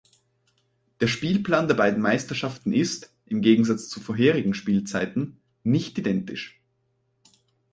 Der Spielplan der beiden Meisterschaften ist, im Gegensatz zu vorherigen Spielzeiten, nicht identisch.